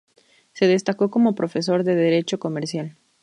Se destacó como profesor de Derecho Comercial.